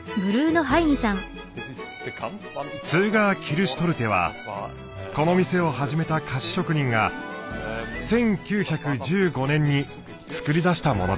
ツーガー・キルシュトルテはこの店を始めた菓子職人が１９１５年に作り出したものです。